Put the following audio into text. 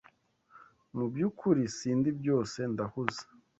Mubyukuri sindi byose ndahuze.